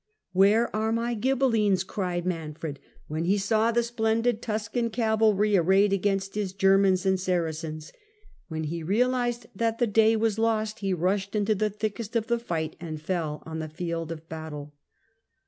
" Where are my S^Sne ^ Ghibelines ?" cried Manfred, when he saw the splendid 2^126?^' Tuscan cavalry arrayed against his Germans and Sara cens. When he realized that the day was lost, he rushed into the thickest of the fight, and fell on the field of battle.